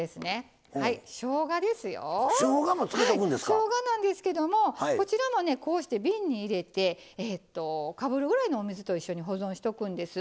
しょうがなんですけどもこちらもねこうして瓶に入れてかぶるぐらいのお水と一緒に保存しとくんです。